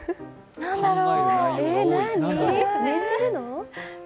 何だろう？